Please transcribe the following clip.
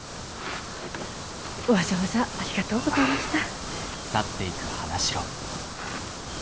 わざわざありがとうございました。